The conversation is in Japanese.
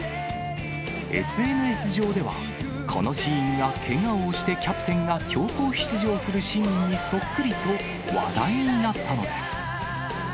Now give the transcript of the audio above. ＳＮＳ上では、このシーンがけがをおしてキャプテンが強行出場するシーンにそっくりと話題になったのです。